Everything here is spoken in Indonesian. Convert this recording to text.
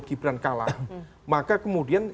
gibran kalah maka kemudian